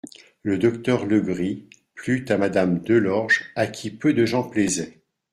Le docteur Legris plut à Madame Delorge, à qui peu de gens plaisaient.